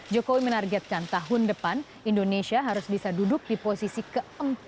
jokowi menargetkan tahun depan indonesia harus bisa duduk di posisi ke empat puluh